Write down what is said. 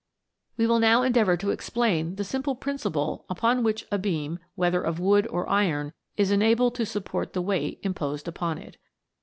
We will now endeavour to explain the simple principle upon which a beam, whether of wood or iron, is enabled to support the weight imposed upon it.